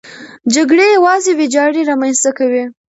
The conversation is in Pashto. جګړې یوازې ویجاړي رامنځته کوي.